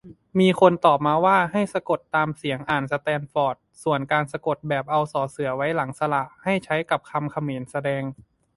มีคนตอบมาว่า ให้สะกดตามเสียงอ่าน สแตนฟอร์ด ส่วนการสะกดแบบเอา ส ไว้ หลังสระ ให้ใช้กับคำเขมร แสดง